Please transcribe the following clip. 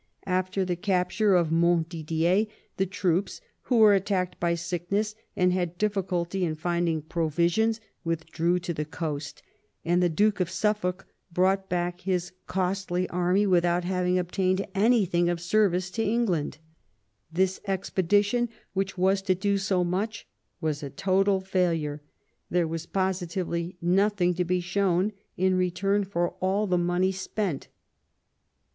After the capture of Montdidier the troops, who were attacked by sickness, and had difficulty in finding provisions, withdrew to the coast ; and the Duke of Suffolk brought back his costly army without having obtamed anything of service to England. This expedition, which was to do so much, was a total failure — there was positively nothing to be shown in return for all the money spent.